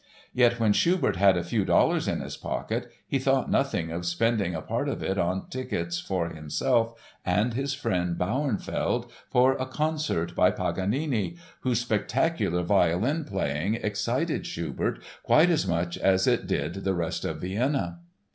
Yet when Schubert had a few dollars in his pocket he thought nothing of spending a part of it on tickets for himself and his friend Bauernfeld for a concert by Paganini, whose spectacular violin playing excited Schubert quite as much as it did the rest of Vienna.